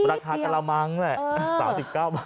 ราคากระมังแหละ๓๙บาท